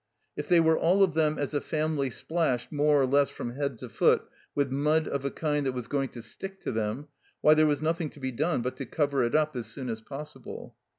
If they were all of them as a family splashed more or less from head to foot with mud of a kind that was going to stick to them, why, there was nothing to be done but to cover it up as soon as possible.